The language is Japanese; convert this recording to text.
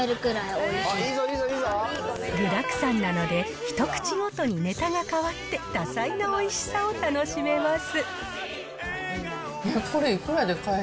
これ、具だくさんなので、一口ごとにネタが変わって、多彩なおいしさを楽しめます。